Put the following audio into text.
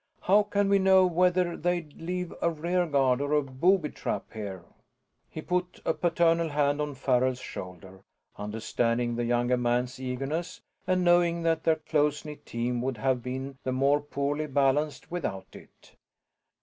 How can we know whether they'd leave a rear guard or booby trap here?" He put a paternal hand on Farrell's shoulder, understanding the younger man's eagerness and knowing that their close knit team would have been the more poorly balanced without it.